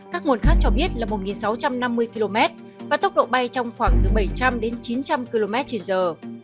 các nguồn khác cho biết là một sáu trăm năm mươi km và tốc độ bay trong khoảng từ bảy trăm linh đến chín trăm linh km trên giờ